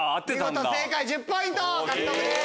見事正解１０ポイント獲得です。